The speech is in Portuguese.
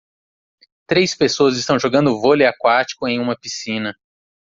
Três pessoas estão jogando vôlei aquático em uma piscina